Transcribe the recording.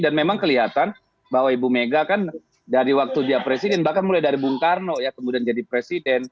dan memang kelihatan bahwa ibu mega kan dari waktu dia presiden bahkan mulai dari bung karno ya kemudian jadi presiden